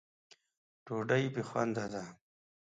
ډوډۍ بې خونده ده.